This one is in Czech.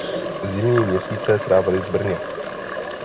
Zimní měsíce trávili v Brně.